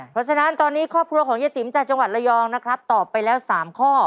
เพราะฉะนั้นตอนนี้ครอบครัวของเย้ติ๋มจากจังหวัดระยองนะครับตอบไปแล้ว๓ข้อ